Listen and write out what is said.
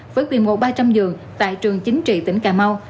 với quy mô ba trăm linh giường tại trường chính trị tỉnh cà mau